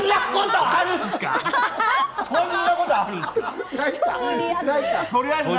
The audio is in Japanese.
そんなことあるんですか？